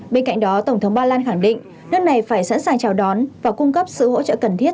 bên cạnh đó tổng thống ba lan khẳng định nước này phải sẵn sàng chào đón và cung cấp sự hỗ trợ cần thiết